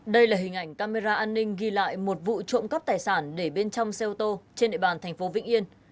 đây là hình ảnh camera an ninh ghi lại một vụ trộm cắp tài sản để bên trong xe ô tô trên địa bàn thành phố vĩnh yên